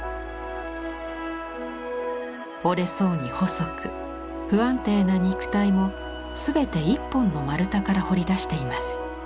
折れそうに細く不安定な肉体も全て一本の丸太から彫り出しています。